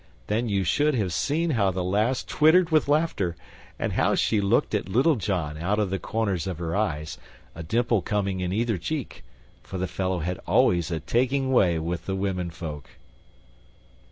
Then you should have seen how the lass twittered with laughter, and how she looked at Little John out of the corners of her eyes, a dimple coming in either cheek; for the fellow had always a taking way with the womenfolk.